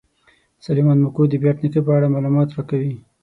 سلیمان ماکو د بېټ نیکه په اړه معلومات راکوي.